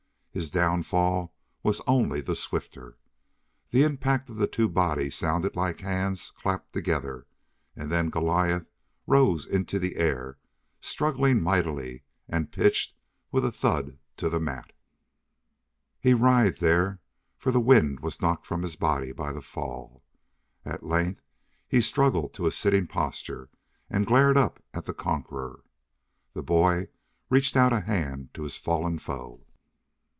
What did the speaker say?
His downfall was only the swifter. The impact of the two bodies sounded like hands clapped together, and then Goliath rose into the air, struggling mightily, and pitched with a thud to the mat. He writhed there, for the wind was knocked from his body by the fall. At length he struggled to a sitting posture and glared up at the conqueror. The boy reached out a hand to his fallen foe.